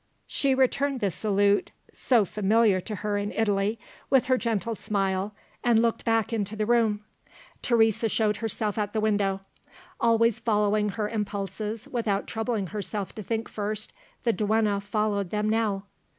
She returned the salute (so familiar to her in Italy) with her gentle smile, and looked back into the room. Teresa showed herself at the window. Always following her impulses without troubling herself to think first, the duenna followed them now.